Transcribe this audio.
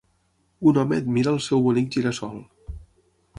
Un home admira el seu bonic gira-sol.